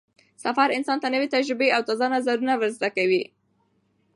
سفر انسان ته نوې تجربې او تازه نظرونه ور زده کوي